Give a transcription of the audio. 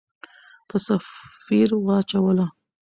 په سفیر واچوله.